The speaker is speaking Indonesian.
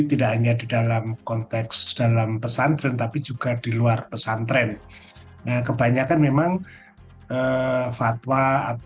tidak hanya di dalam konteks dalam pesantren tapi juga di luar pesantren nah kebanyakan memang fatwa